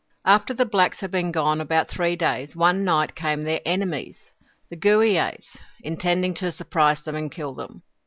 After the blacks had been gone about three days, one night came their enemies, the Gooeeays, intending to surprise them and kill them.